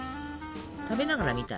食べながら見たい。